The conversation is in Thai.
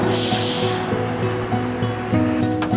ชื่อนางวุญสงศ์อายุ๕๒ปี